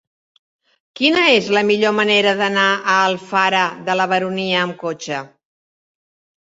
Quina és la millor manera d'anar a Alfara de la Baronia amb cotxe?